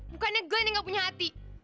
bukannya glenn yang gak punya hati